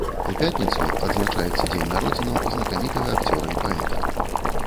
У пятніцу адзначаецца дзень народзінаў знакамітага акцёра і паэта.